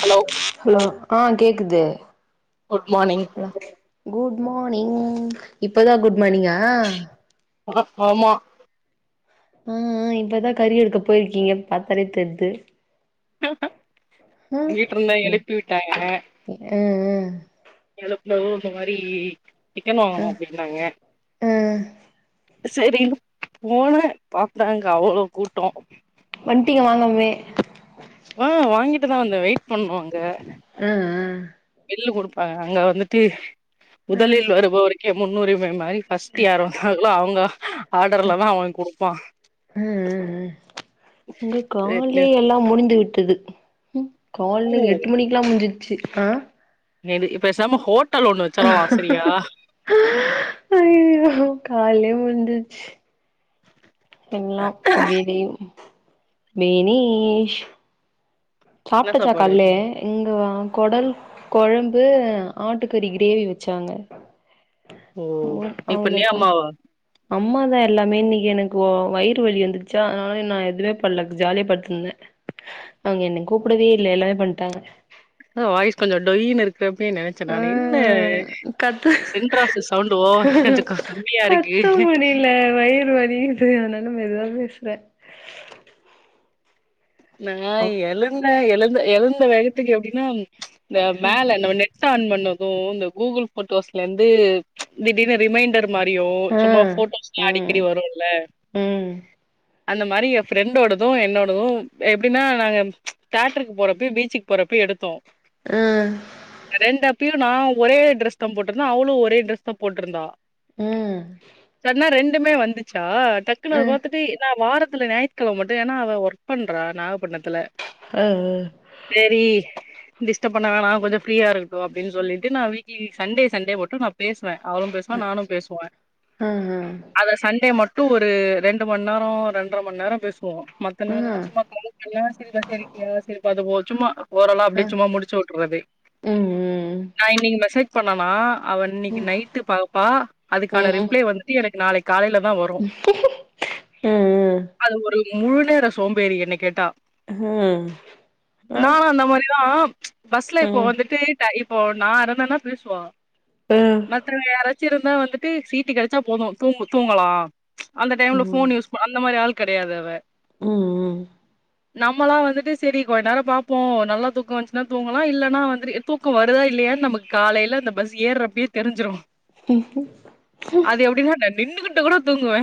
hello hello ஆ கேக்குது good மானிங் கூட் மார்னிங் இப்பதா குட் மார்னிங்கா ஆ ஆமா ஆ ஆ இப்பதா கறி எடுக்க போயிருக்கீங்க பாத்தாலே தெர்து ஆ வீட்ருந்த எழுப்பி விட்டாங்க ஆ எழுப்பவு இந்த மாரி சிக்கன் ஆ வாங்கனு அப்டின்னாங்க ஆ செரி போன பாத்தாங்க அவ்ளோ கூட்டோ வட்டிக்கு வாங்னம்மே ஆ வாங்கிட்டுதா வந்த வெயிட் பண்வாங்க ம் ம் பில்லு குடுப்பாங்க அங்க வந்துட்டு ஆ ஆ முதலில் வருபவருக்கே முன்னுரிமை மாரி ஃபஸ்ட்டு யாரு வந்தாங்களோ அவுங்கோ ம் ம் ம் இங்க கால்லே சரின்னு எல்லா முடிந்து விட்டது கால்ல எட்டு மணிக்குல்லா முஞ்சிச்சு ஆ நீ வந்து பெசாம ஹோட்டல் ஒண்ணு வெச்சிரலா செரியா ஐய்யயோ காலே முந்த்துச்சு திங்லா பேபிம் மேனீஷ் என்ன சாப்ட்டச்சா சாப்பாடு காலையிலேயே இங்க வா குடல் கொழம்பு ஆட்டுக்கறி கிரேவி வெச்சாங்க ஓ உடு இப்ப நீ பண்ணியா அவ்ளதா அம்மாவா அம்மாதா எல்லாமே இன்னிக்கு எனக்கு ஒ வயிறு வலி வந்துர்ச்சா அதனால நா எதுவே பண்லா ஜாலியா பட்த்திந்தே அவுங்க என்ன கூப்புடவே இல்ல எல்லாமே பண்ட்டாங்க அதா வாய்ஸ் கொஞ்ச டொயினு இருக்கு அப்பயே நெனச்ச ஆ நானு என்ன கத்து சென்ட்ராசு சவுண்டு ஓவரா கொஞ்சோ கம்மியா இருக்கு கத்த முடிய்ல வய்று வலி செரி ஆனா நம்ம மெதுவாவே பேசுறே நா எழுந்த எழுந்த எழுந்த வேகத்துக்கு எப்டின்னா இந்த மேல நம்ம நெட் நெட் ஆன் பண்ணப்போ இந்த கூகுள் போட்டோஸ்லெந்து திடீர்னு ரிமைண்டர் மாரியு ஆ சும்மா போட்டோஸ் எல்லா அடிக்கடி ம் வரும்ல ம் அந்த மாரி ய ஃப்ரெண்டோடது என்னோடது எப்டின்னா நாங்க தேட்டருக்கு போறப்பயு பீச்சுக்கு போறப்பயு எடுத்தோ ம் ரெண்டு அப்பயு நா ஒரே டிரெஸ் தா போட்டிருந்தே அவளும் ஒரே டிரெஸ் தா போட்ருந்தா ம் சன்னா ரெண்டுமே வந்துச்சா டக்குன்னு ஆ அத பாத்துட்டே நா வாரத்துல ஞாயித்துக்கிழமை மட்டு ஏன்னா அவ ஒர்க் பண்றா நாகப்பட்னத்துல அ அ சேரி டிஸ்டர்ப் பண்ண வேணா கொஞ்சோ ஃப்ரீயா இருக்கட்டும் அப்டின்னு சொல்லிட்டு நா வீ க்லீ சண்டே சண்டே மட்டு நா பேசுவே அவளும் பேசுவா நானும் பேசுவே நான் அத சண்டே மட்டு ஒரு ரெண்டு மண் நேரோ ரெண்டரை மண் நேரோ பேசுவோ மத்த நேரோ [unintelligible] சும்மா ஓரளா அப்டியே சும்மா முடிச்சு உட்டற்றது நா இன்னைக்கு மெசேஜ் பண்ணனா அவ இன்னைக்கு நைட் பாப்பா அதுக்கான ரிப்ளை வந்துட்டு எனக்கு நாளைக் காலைல தா வரும் அது ஒரு முழு நேர சோம் பேறி என்ன கேட்டா அஹ நால்லா அந்த மாறிதா பஸ்ல இப்ப வந்துட்டு ட்டா இப்போ நா இருந்தன்னா பேசுவா ப்பு மத்தங்க யாறாச்சி இருந்தா வந்துட்டு சீட்டு கிடைச்சா போதும் தூங்கு தூங்கலா அந்த டைம்ல ஃபோன் யூஸ் அந்த மாறி ஆள் கிடையாது அவ ம் ம் நம்மளா வந்துட்டு சேரி கொஞ்ச நேரோ பாப்போ நல்லா தூக்கோ வந்துச்சுன்னா தூங்கலா இல்லன்னா வந்துட்டு தூக் கம் வருதா இல்லயான்னு நமக்கு காலைல அந்த பஸ் ஏற்றப்பயே தெரி்ஞ்சிரும் அது எப்டின்னா நா நின்னு கிட்டு கூட தூங்குவே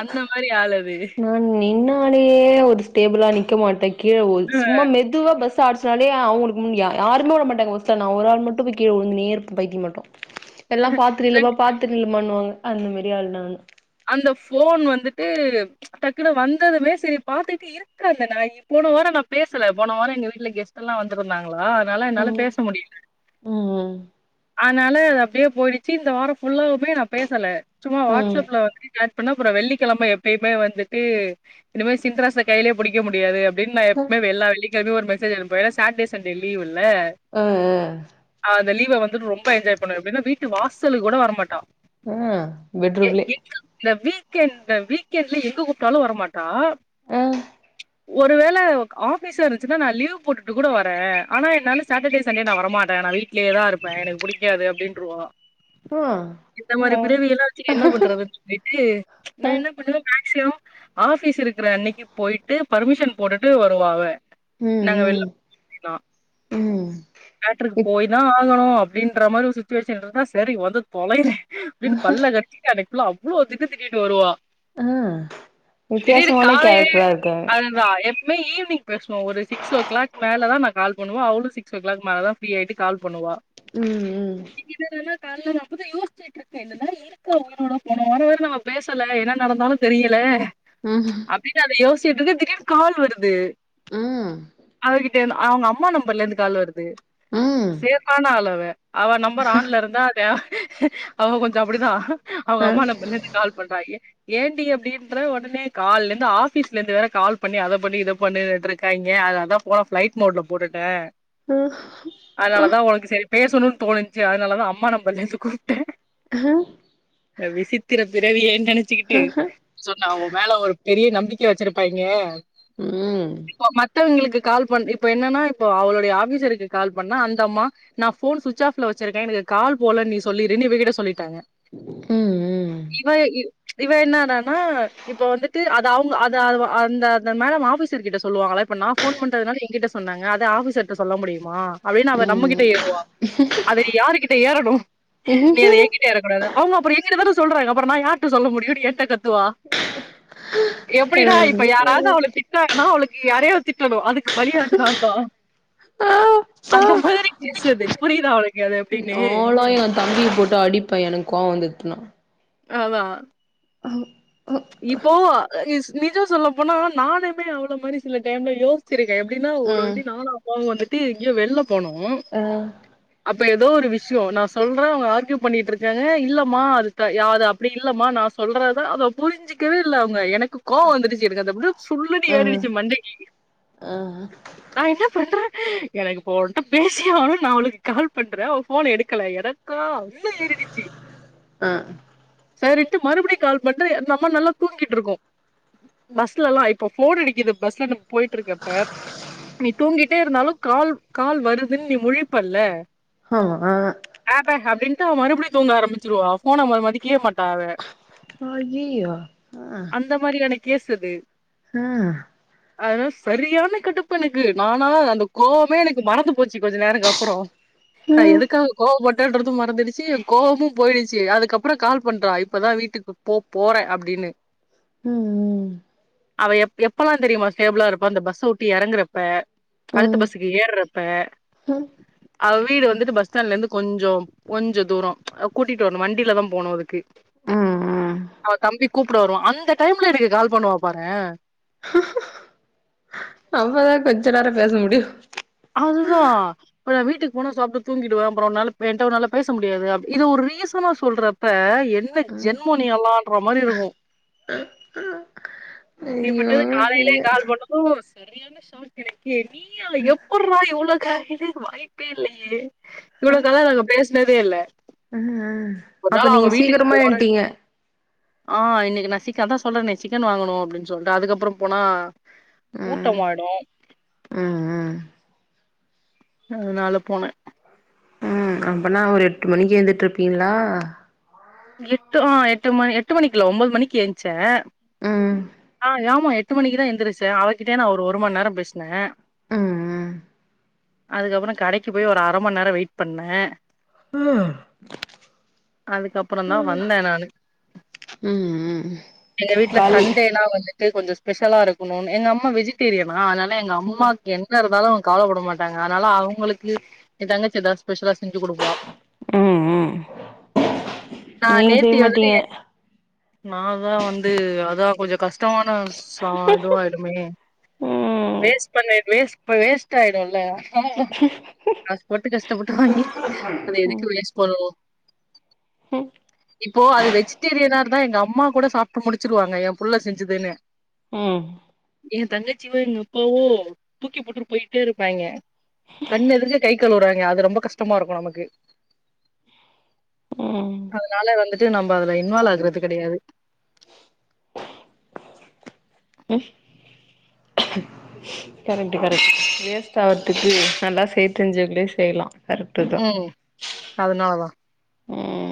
அந்த மாறி ஆளு அது நா நின்னாலே ஒரு ஸ்டேபிளா நிக்க மாட்டே கீழ உழ் சும்மா மெதுவா பஸ் ஆடிச்சினாலே அவுங்குளுக்கு முன் யாருமே உழ மாட்டாங்க மோஸ்டா நா ஒரு ஆள் மட்டு போய் கீழ உழுந்துன்னே இருப்பே பைத்தியோ மாட்டோ எல்லா பாத்து அ நில்லுமா பாத்து நில்லுமானுவாங்க அந்த மாறி ஆளு நானு அந்த ஃபோன் வந்துட்டு டக்குன்னு வந்ததுமே சரி பாத்துட்டு ஏற் இருக்காது நா போன வாரம் நா பேசல போன வாரம் எங்க வீட்ல கெஸ்ட் எல்லா வந்துருந்தாங்களா அதனால என்னால ம் பேச முடியல ம் ஆனா இல்ல அது அப்டியே போயிடுச்சு இந்த வாரம் புல்லாவுமே நா பேசல சும்மா ம் வாட்ஸ் ம் அப்ல வந்து சேட் பண்ண அப்றோ வெள்ளிக்கிழம எப்பயுமே வந்துட்டு இனிமே சின்ராச கைலயே புடிக்க முடியாது அப் அப்டின் நா அ எப்மே எல்லா வெள்ளி கிழமையு ஒரு மெசேஜ் அனுப்புவே ஏன்னா சாட்டர்டே சண்டே லீவ் இல்ல ம் ம் அந்த லீவ வந்துட்டு ரொம்ப என்ஜாய் பண்ணுவா எப்டின்னா வீட்டு வாசலு கூட வர மாட்டா ம் பெட்ரூம்லே இந்த வீக்கெண்ட் இந்த வீக்கெண்ட்ல எங்க கூப்டாலு வரமாட்டா அ ஒருவேள ஆபீஸா இருந்துச்சுன்னா நா லீவ் போட்டுட்டு கூட வரே ஆனா என்னால சாட்டடே சண்டே நா வரமாட்டே நா வீட் ட்லயே தா இருப்பே எனக்கு புடிக்காது அப்டின்றுவா ஆ இந்த மாரி ஆ பிறவியெல்லா வச்சிட்டு என்ன பண்றதுன் சொல்லிட்டு நா அ என்ன பண்ணுவ மேக்சிமம் ஆபிஸ் இருக்கற அன்னைக்கு போய்ட்டு பர்மிஷன் போட்டுட்டு வருவா அவ ம் நாங்க வெள்ள ம் அப்டிதா ம் தேட்டருக்கு இப் போய் தா ஆகணு அப்டின்ற மாறி ஒரு சுச்சுவேஷன் இருந்தா செரி வந்து தொலையிற அப்டின் பல்ல கடிச்சிட்டு அன்னைக்கு ஃபுல்லா அவ்ளோ திட்டு திட்டிட்டு வருவா ஆ திடீருனு வித்தியாசமான காலைலயே கேரக்டரா இருக்காங்க அது தா எப்மே ஈவ்னிங் பேசுவோ ஒரு சிக் ஓ கிளாக் மேல தா நா கால் பண்ணுவோ அவளு சிக்ஸ் ஓ கிளாக் மேல தா ப்ரீயாயிட்டு கால் பண்ணுவா ம் இப்டிதா இதெல்லா கால்ல நா புது யோச்சிட்ருக்கே இந்த மாரி இருக்கு உயிரோட போன வாரோ வேற நம்ம பேசல என்ன நடந்தாலு தெரியில ம் அப்டின்னு அத யோச்சிட்ருக்க திடீர்னு கால் வருது ம் அவகிட் டேந்த் அவுங்க அம்மா நம்பர்லருந்து கால் வருது ம் ம் சேப்பான ஆள் அவ அவ நம்பர் ஆண்ல இருந்தா அவ கொஞ்ச அப்டிதா அவுங்க அ அம்மா நம்பர்லந்து கால் பண்றாயே ஏன்டீ அப்டின்ற ஓடனே கால்லந்து ஆபீஸ்ல இந்து வேற கால் பண்ணி அத பண்ணு இத பண்ணுட்டுருக்காய்ங்க அதனால தா ஃப்ளைட் மோட்ல போட்டுட்டே அ அ அதனாலதா உனக்கு செரி பேசனுன் தோனுச்சி அதனாலதா அம்மா நம்பர்லருந்து கூப்ட்டே ம் அ விசித்திர பிறவியேன் நெனச்சிக்கிட்டு அஹ சோ நா உ மேல ஒரு பெரிய நம்பிக்க வச்சிருப்பாய்ங்க ம் இப்ப மத்தவங்களுக்கு கால் பண் இப்ப என்னனா இப்போ அவளுடைய ஆபீசருக்கு கால் பண்ணா அந்த அம்மா நா ஃபோன் சுவிச் ஆப்ல வச்சிருக்கே எனக்கு கால் போலன் நீ சொல்லிருன் இவகிட்ட சொல்லிட்டாங்க ம் ம் இவ இவ் இவ என்னடானா இப்ப வந்துட்டு அத் அத அவுங்க அத அந்த மேடம் ஆபிசர் கிட்ட சொல்லுவாங்களா இப்ப நா ஃபோன் பண்றதுனால எ கிட்ட சொன்னாங்க அது ஆபிஸர்ட சொல்ல முடியுமா அப்டின் அவ ம் நம்மகிட்ட ஏறுவா அத யாருகிட்ட ஏறனு நீ அத எ கிட்ட ஏறக்கூடாதா ஆமா அப்புற எங்கிட்ட தான சொல்றாங்க அப்புற நா யார்ட்ட சொல்ல முடியுனு ஏன்ட கத்துவா எப்டி னா இப்ப யாராவது அவளு திட்னாங்கனா அவளுக்கு யாரையாவது திட்டனு அதுக்கு பலி ஆடு நாந்தா ஆ ஆ அந்த மாதிரி கேஸ் அது புரியிதா அவளுக்கு அது எப்டின்னு நாலா எ தம்பிய போட்டு அடிப்பே எனக்கு கோவ வந்ததுனா அதா ம் இப்போ அ நிஜம் சொல்ல போனா நானுமே அவள மாரி சில டைம்ல யோச் சிரிக்க எப்டின்னா ஒரு ம் வாட்டி நானு அப்பாவு வந்துட்டு எங்கேயோ வெள்ல போனோ அ அப்ப ஏதோ ஒரு விஷியோ நா சொல்ற அவுங்க ஆர்கியூ பண்ணிட்ருக்காங்க இல்லம்மா அது த யாரு அப்டி இல்லமா நா சொல்றது அதப் புரிஞ்சுக்கவே இல்ல அவுங்க எனக்கு கோவோ வந்துடுச்சு எனக்கு வந்து அப்ஸடியே சுல்லுனு ஏறிடுச்சு மண்டிக்கு ம் நா என்ன பண்ற எனக்கு போன்ட்ட பேசிய ஆனும் நா உனக்கு கால் பண்ற ஃபோன் எடுக்கல எனக்கா நல்ல ஏறிடுச்சு அ சரிட்டு மறுபடியு கால் பண் து நம்ம நல்லா தூங்கிட்டு இருக்கோ பஸ்ல எல்லா இப்ப ஃபோன் அடிக்குது பஸ்ல போயிட்ருக்கப்ப நீ தூங்கிட்டே இருந்தாலு கால் கால் வருதுன்னு நீ முழிப்பல்ல ஆமா அ பே அப்டின்னுட்டு அவ மறுபடியு தூங்க ஆரம்பிச்சிருவா ஃபோன ம மதிக்கவே மாட்டா அவ அய்யயோ அ அந்த மாரியான கேஸ் அது ம் அதா சரியான கடுப்பு எனக்கு நானா அந்த கோவமே எனக்கு மறந்து போச்சு கொஞ்ச நேரோ அப்புறோ நா ம் எதுக்காக கோவ பட்டான்றதும் மறந்துடுச்சு கோவமும் போயிடுச்சு அதுக்கப்புறோ கால் பண்றா இப்பதா வீட்டுக்கு போ போற அப்டின்னு ம் அவ எப் எப்பெல்லா தெரியுமா ஸ்டேபிளா இருப்பா அந்த பஸ்ச உட்டு எறங்குறப்ப ம் அடுத்த ம் பஸுக்கு ஏர்றப்ப ம் அவ வீடு வந்துட்டு பஸ் ஸ்டாண்ட்ல இருந்து கொஞ்சோ கொஞ்சோ தூரோ கூட்டிட்டு வரணு வண்டியில தா போனும் அதுக்கு ம் ம் அவ தம்பி கூப்ட வருவா அந்த டைம்ல எனக்கு கால் பண்ணுவா பார அப்பதான கொஞ்ச நேரோ பேச முடியு அது தா இப்ப நா வீட்டு போன சாப்ட்டு தூங்கிடுவ அப்பறோ உன்னால என்ட்ட உன்னால பேச முடியாது இது ஒரு ரீசனா சொல்றா அப்ப என்ன ம் ஜென்மோ நீயெல்லான்ற மாரி இருக்கு ஐயோ அப்படிப்பட்டது காலையிலே ஐயோ கால் பண்ணது சரியான ஷாக் எனக்கே நீய் எப்பட்றா இவ்லோகாலைலே வாய்ப்பே இல்லையே இவ்ளோ கால்ல நாங்க பேசுனதே இல்ல ம் ம் ஒரு நாள அப்ப அவுங்க நீங்க வீட்டுக்கு சீக்கிரமா போற எந்ட்டீங்க ஆ இன்னிக்கு நா சிக்க அதா சொல்றனே சிக்கன் வாங்கணு அப்டின் சொல்ட்டு அதுக்கப்புறோ போனா ம் கூட்டம்மாயிடு ம் ம் ம் அனால போன ம் அப்பனா ஒரு எட்டு மணிக்கு எழுந்துட்ருப்பீங்களா எட்டு ஆ எட்டு மணி எட்டு மணிக்குல ஒன்பது மணிக்கு ஏயின்ச்ச ம் ஆ ஏமா எட்டு மணிக்கு தா எந்துருச்ச அவகிட்டே நா ஒரு ஒரு மண் நேரோ பேசுன ம் ம் அதுக்கப்றோ கடைக்கு போய் ஒரு அர மண்நேரோ வெயிட் பண்ண ம் அதுக்கப்றோ தா வந்த நானு ம் ம் எங்க வீட்ல பாவி சண்டேனா வந்து கொஞ்சோ ஸ்பெஷலா இருக்கணுன் எங்க அம்மா வெஜிடேரியனா அதனால எங்க அம்மாக்கு எங்க இருந்தாலு கவலப்பட மாட்டாங்க அதனால அவுங்களுக்கு எ தங்கச்சி ஏதாச்சு ஸ்பெஷலா செஞ்சு குடுப்பா ம் ம் ந நீங்க செய்ய நேத்தி மாட்டீங்க வந்துட்டு நாதா வந்து அதா கொஞ்சம கஷ்டமான விஷ் சாதுவாயிடுமே ம் வேஸ் பண்ண வேஸ் வேஸ்ட் ஆயிடுல்ல காச போட்டு கஷ்டப்பட்டு வாங்கி அத எதுக்கு வேஸ்ட் பண்ணனு ம் இப்போ அது வெஜிடேரியனா இருந்தா எங்க அம்மா கூட சாப்ட்டு முடிச்சிருவாங்க எ புள்ள செஞ்சதுன்னு ம் எ தங்கச்சியோ எங்க அப்பாவோ தூக்கி போட்டுட்டு போயிட்டே இருப்பாங்க கண் எதுர்லியே கை கழுவுறாங்க அது ரொம்ப கஷ்டமா இருக்கு நமக்கு ம் அதனால வந்துட்டு நம்ம அதுல இன்வால்வ் ஆகுறது கெடையாது கரெக்ட்டு கரெக்ட்டு வேஸ்ட் ஆறதுக்கு நல்லா செய் தெரிஞ்சவங்கலே செய்யலா கர்டுதா ம் அதனாலதா ம்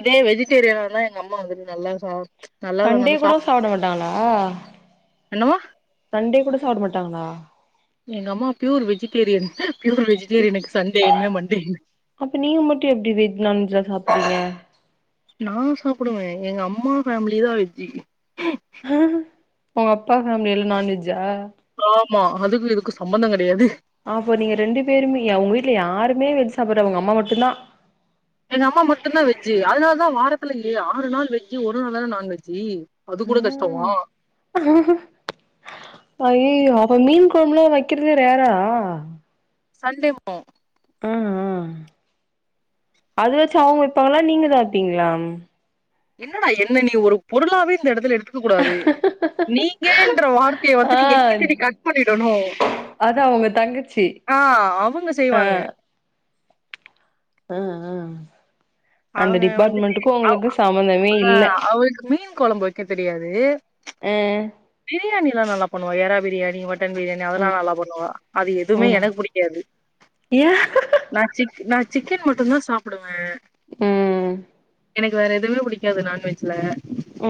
இதே வெஜிடேரியன தா எங்கம்மா வந்துட்டு நல்லா சா நல்லா சண்டே நல்லா கூட சாப்ட்டு சாப்ட மாட்டாங்களா என்னமா சண்டே கூட சாப்ட மாட்டாங்களா எங்கம்மா ப்யூர் வெஜிடேரியன் ப்யுர் வெஜிடேரியனுக்கு சண்டே என்ன மண்டே என்ன அப்ப நீங்க மட்டு எப்டி வெஜ் நான்வெஜ்ல்லா சாப்பிறீங்க நா சாப்புடுவே எங்கம்மா ஃபேமிலி தா வெஜ்ஜு அ உங்கப்பா ஃபேமிலில்லா நான்வெஜ்ஜா ஆமா அதுக்கு இதுக்கு சம்பந்த கெடையாது அப்போ நீங்க ரெண்டு பேருமே உங்கீட்ல யாருமே வெஜ் சாப்பல உங்கம்மா மட்டுந்தா எங்கம்மா மட்டுந்தா வெஜ்ஜி அதனால தா வாரத்துல ஆறு நாள் வெஜ்ஜி ஒரு நாள் தான நான் வெஜ்ஜி அது கூட கஷ்டமா அய்யோ அப்ப மீன் கொழம்புலா வைக்கிறது ரேரா சண்டேமோ ஆ ஆ அது வாச்சு அவங்க வைப்பாங்களா நீங்க தா வெப்பீங்களா என்னடா என்ன நீ ஒரு பொருளாவே இந்த எடத்துல எடுத்துக்க கூடாது நீங்கன்ற வார் த்தய ஆ வந்துட்டு எங்கட்ட நீ கட் பண்ணிடணு அதா உங்க தங்கச்சி ஆ அவுங்க ஆ செய்வாங்க ஆ ஆ அந்த அவங்க வந்துட்டு டிபார்ட்மெண்ட்டுக்கு அவ் உங்களுக்கு சம்மந்தமே ஆ இல்ல அவளுக்கு மீன் கொழம்பு வைக்க தெரியாது ஆ பிரியாணிலா நல்லா பண்ணுவா எறா பிரியாணி மட்டன் பிரியாணி அதல்லா நல்லா ம் பண்ணுவா அது எதுவுமே ம் எனக்கு புடிக்காது ஏ நா சிக் நா சிக்கன் மட்டுந்தா சாப்புடுவே ம் எனக்கு வேற எதுமே புடிக்காது நான்வெஜ்ல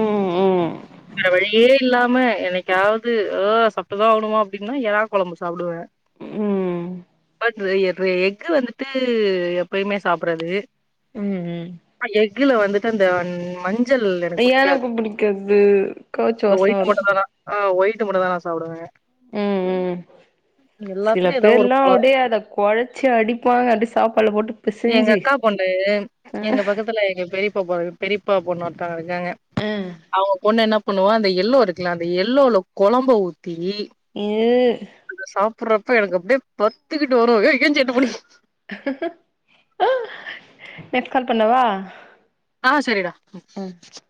ம் ம் வழியே இல்லாம எனக் யாவது அ சாப்டுதா ஆவணுமா அப்டின்னா எறா கொழம்பு சாப்டுவே ம் [unintelligible] எக்கு வந்துட்டு எப்பயுமே சாப்டாது ம் ம் அ எக்குல வந்துட்டு அந்த மஞ் சள் எனக்கு புடிக்காது கவுச்சி வாசன ஒயிட்டு வரு மட்டுதா நா ஆ ஒயிட்டு மட்டுதா நா சாப்டுவே ம் ம் சில எல்லாத்துலயும் ஏதோ ஒரு பேர்லா கொற அப்டியே அத கொழச்சி அடிப்பாங்க அடி சாப்பாடுல போட்டு பிசைஞ்சி எங்கக்கா பொண்ணு ஆ எங்க பக்கத்துல எங்க பெரியப்பா பொ பெரியப்பா பொண்ணு கா இருக்காங்க ஆ அவங்க பொண்ணு என்னா பண்ணுவோ அந்த யெல்ளோ இருக்குல்ல அந்த யெல்ளோல கொழம்ப ஊத்தி இது சாப்புட்றப்ப எனக்கு அப்டியே பத்திக்கிட்டு வரு ஏய் ஏஞ்சு அங்க போடி நைட் கால் பண்ணவா ஆ சரிடா ம் ம்